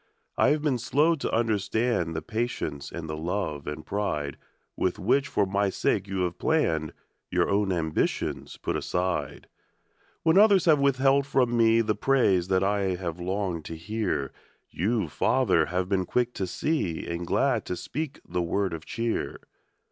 I have been slow to understand The patience and the love and pride "With which for my sake you have hour own ambitions put aside. from me The praise that I have longed to hear, Y>u, Father, have been quick to see Ar^d glad to speak the word of cheer.